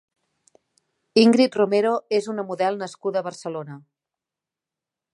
Ingrid Romero és una model nascuda a Barcelona.